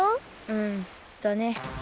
うんだね。